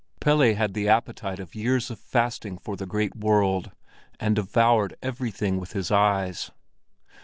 Pelle had the appetite of years of fasting for the great world, and devoured everything with his eyes.